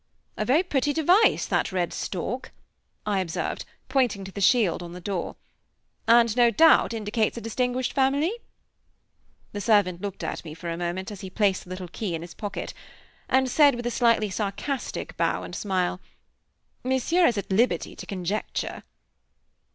"A very pretty device that red stork!" I observed, pointing to the shield on the door, "and no doubt indicates a distinguished family?" The servant looked at me for a moment, as he placed the little key in his pocket, and said with a slightly sarcastic bow and smile, "Monsieur is at liberty to conjecture."